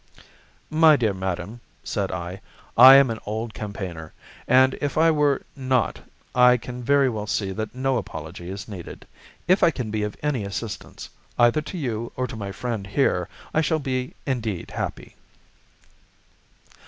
"My dear madam," said I, "I am an old campaigner, and if I were not I can very well see that no apology is needed. If I can be of any assistance, either to you or to my friend here, I shall be indeed happy."